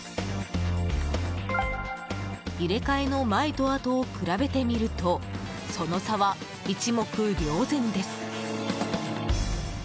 入れ替えの前とあとを比べてみるとその差は一目瞭然です。